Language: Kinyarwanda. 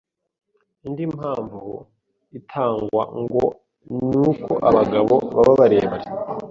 Indi mpamvu itangwa ngo ni uko abagabo baba berebare